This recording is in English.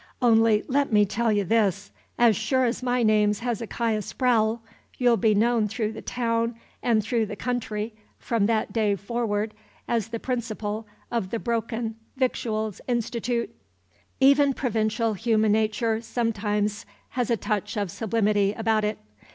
Only let me tell ye this: as sure 's my name's Hezekiah Spraowle, you 'll be known through the taown 'n' through the caounty, from that day forrard, as the Principal of the Broken Victuals Institoot!" Even provincial human nature sometimes has a touch of sublimity about it.